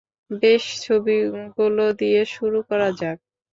বেশ, ছবিগুলো দিয়ে শুরু করা যাক।